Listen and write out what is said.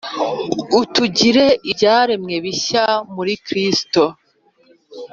utugira ibyaremwe bishya muri Kristo.